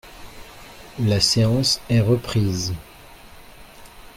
La séance est reprise.